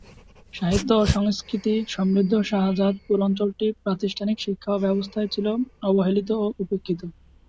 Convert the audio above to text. সাহিত্য ও সংস্কৃতি সমৃদ্ধ শাহজাদপুর অঞ্চলটি প্রাতিষ্ঠানিক শিক্ষা ব্যবস্থায় ছিল অবহেলিত ও উপেক্ষিত।